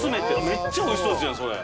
めっちゃおいしそうですねそれ。